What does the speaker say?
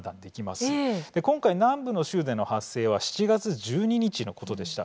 今回南部の州での発生は７月１２日のことでした。